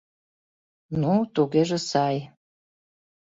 — Ну, тугеже сай.